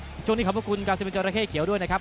พี่ตัวนี้ขอบบบุคคลกาศีาคมีเอไจระเท่เฉียวด้วยนะครับ